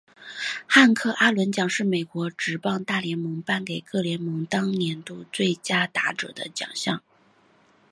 汉克阿伦奖是美国职棒大联盟颁给各联盟当年度最佳打者的奖项。